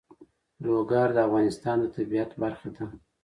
لوگر د افغانستان د طبیعت برخه ده.